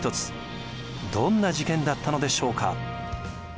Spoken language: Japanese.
どんな事件だったのでしょうか。